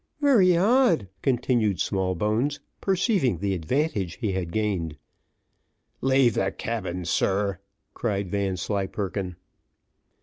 "Very odd," continued Smallbones, perceiving the advantage he had gained. "Leave the cabin, sir," cried Vanslyperken.